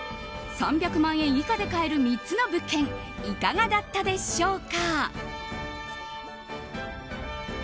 ３００万円以下で買える３つの物件いかがだったでしょうか。